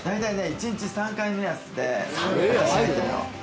１日３回目安で入ってるの？